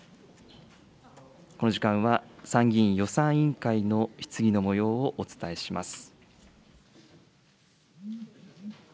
この時間は参議院予算委員会の質疑のもようをお伝えします。